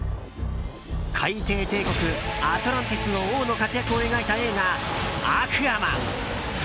海底帝国アトランティスの王の活躍を描いた映画「アクアマン」。